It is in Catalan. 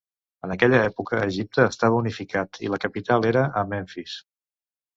En aquella època Egipte estava unificat i la capital era a Memfis.